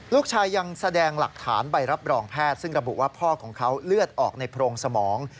ลูกชายยังแสดงหลักฐานใบรับรองแพทย์ซึ่งระบุว่าพ่อของเขาเลือดออกในโพรงสมอง